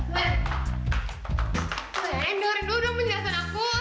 ben orang orang udah menyiasan aku